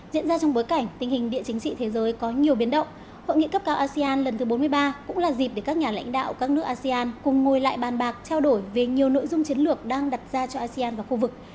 diễn ra trong bối cảnh tình hình địa chính trị thế giới có nhiều biến động hội nghị cấp cao asean lần thứ bốn mươi ba cũng là dịp để các nhà lãnh đạo các nước asean cùng ngồi lại bàn bạc trao đổi về nhiều nội dung chiến lược đang đặt ra cho asean và khu vực